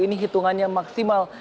ini hitungannya maksimal